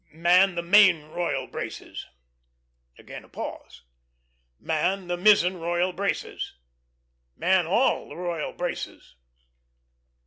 "Man the main royal braces!" Again a pause: "Man the mizzen royal braces Man all the royal braces."